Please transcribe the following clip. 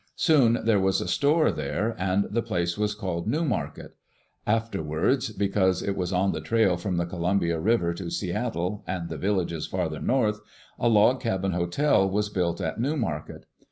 Soon there was a store there, and the place was called Newmarket. Afterwards, because it was on the trail from the Columbia River to Seattle and the villages farther north, a log cabin hotel was built at Newmarket.